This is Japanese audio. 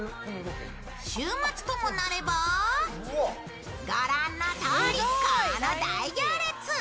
週末ともなれば御覧のとおり、この大行列。